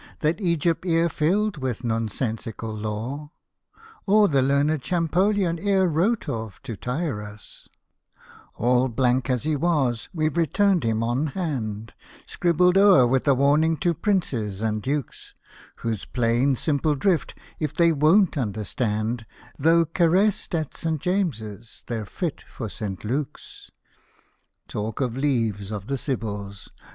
That Egypt e'er filled with nonsensical lore, Or the learned Champollion e'er wrote of, to tire us. Hosted by Google IRISH ANTIQUITIES 215 All blank as he was, we've returned him on hand, Scribbled o'er with a warning to Princes and Dukes, Whose plain, simple drift if they ivo7iU understand, Though caressed at St. James's, they're fit for St. Luke's. Talk of leaves of the Sibyls